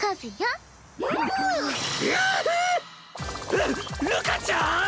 るるかちゃん